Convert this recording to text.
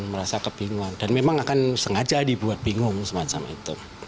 merasa kebingungan dan memang akan sengaja dibuat bingung semacam itu